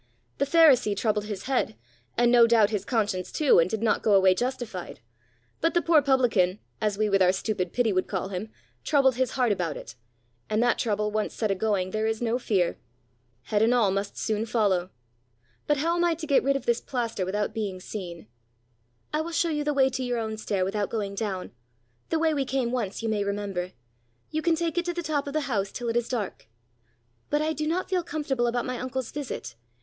The pharisee troubled his head, and no doubt his conscience too, and did not go away justified; but the poor publican, as we with our stupid pity would call him, troubled his heart about it; and that trouble once set a going, there is no fear. Head and all must soon follow. But how am I to get rid of this plaster without being seen?" "I will show you the way to your own stair without going down the way we came once, you may remember. You can take it to the top of the house till it is dark. But I do not feel comfortable about my uncle's visit.